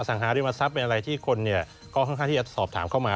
สังหาริมทรัพย์เป็นอะไรที่คนก็ค่อนข้างที่จะสอบถามเข้ามา